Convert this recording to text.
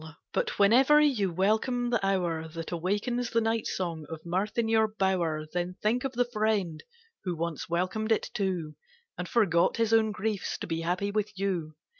— but whenever you welcome the hour That awakens the night song of mirth in your bower, MOORE 34 T Then think of the friend who once welcomed it too, And forgot his own griefs to be happy with you.